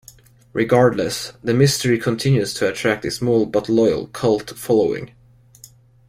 Regardless, the mystery continues to attract a small but loyal cult following.